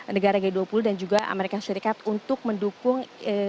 dan juga mengajak atau menyuruhkan negara g dua puluh dan juga amerika serikat untuk mendukung